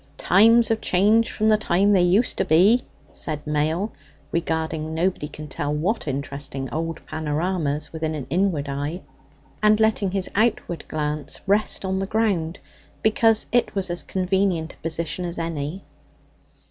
"Times have changed from the times they used to be," said Mail, regarding nobody can tell what interesting old panoramas with an inward eye, and letting his outward glance rest on the ground, because it was as convenient a position as any.